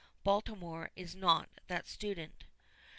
Baltimore is not that student.